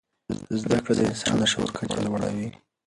زده کړه د انسان د شعور کچه لوړوي.